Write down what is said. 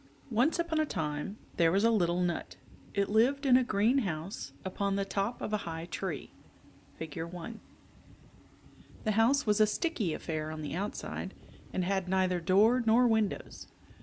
NCE upon a time there was a little nut. It lived in a green house upon the top of a high tree (Fig. i). The house was a sticky affair on the outside and had neither door nor windows.